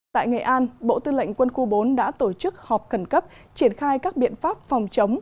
tại nghệ an bộ tư lệnh quân khu bốn đã tổ chức họp khẩn cấp triển khai các biện pháp phòng chống